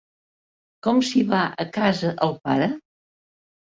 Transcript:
Com s'hi va a casa el pare?